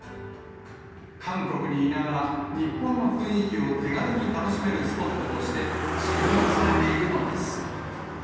韓国にいながら日本の雰囲気を手軽に楽しめるスポットとして注目されているのです。